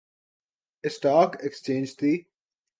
stock ایکسچینجتی